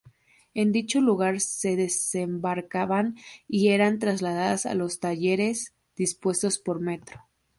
En dicho lugar se desembarcaban y eran trasladadas a los talleres dispuestos por metro.